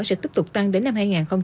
sẽ tiếp tục tăng đến năm hai nghìn hai mươi